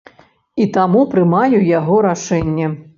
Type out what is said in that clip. І таму прымаю яго рашэнне.